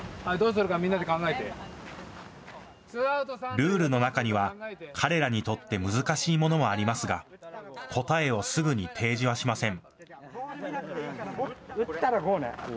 ルールの中には彼らにとって難しいものもありますが答えをすぐに提示はしません。